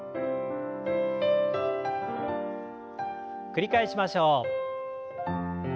繰り返しましょう。